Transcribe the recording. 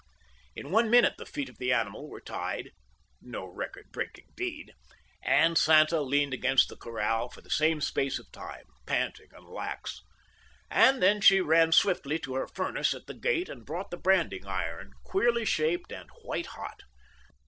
In one minute the feet of the animal were tied (no record breaking deed) and Santa leaned against the corral for the same space of time, panting and lax. And then she ran swiftly to her furnace at the gate and brought the branding iron, queerly shaped and white hot.